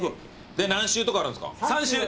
で何周とかあるんですか？